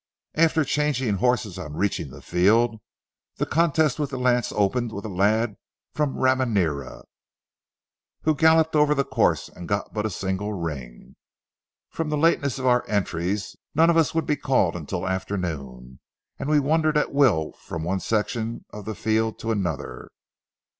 After changing horses on reaching the field, the contests with the lance opened with a lad from Ramirena, who galloped over the course and got but a single ring. From the lateness of our entries, none of us would be called until afternoon, and we wandered at will from one section of the field to another.